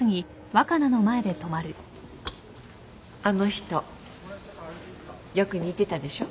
あの人よく似てたでしょ？